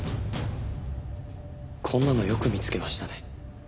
こんなのよく見つけましたね。